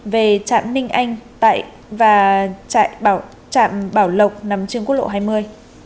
về trạm ninh anh và trại bảo lộc nằm trên quốc lộ hai mươi